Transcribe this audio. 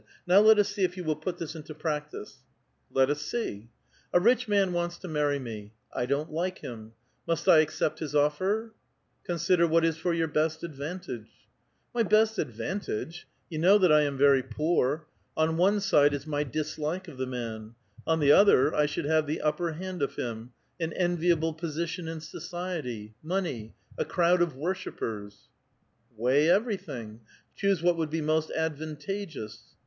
Now let us see if you will put this into practice." '^ Let us see." '*A rich man wants to marry me. I don't like him. Must I accept his offer ?"*' Consider what is for your best advantage." *' My best advantage ! You know that I am very poor. On one side is my dislike of the man ; on the other, I should have the upper hand of him, an enviable position in society, money, a crowd of worshippers !"" Weigh everything; choose what would be most advan tageous."